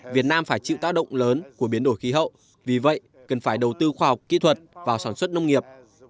việt nam phải chịu tác động lớn của biến đổi khí hậu vì vậy cần phải đầu tư khoa học kỹ thuật vào sản xuất nông nghiệp